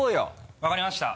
分かりました。